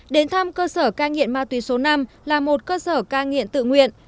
đến thăm cơ sở ca nghiện ma túy số năm là một cơ sở ca nghiện tự nguyện